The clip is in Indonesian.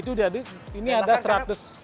itu jadi ini ada seratus